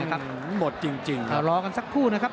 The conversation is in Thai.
กลับมาก